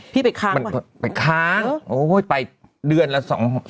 พี่ไปค้างค่ะไปค้างโอ้โห้ยไปเดือนละ๒นาที